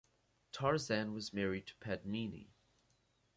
Tarzan was married to Padmini.